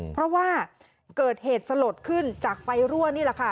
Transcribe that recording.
เพราะว่าเกิดเหตุสลดขึ้นจากไฟรั่วนี่แหละค่ะ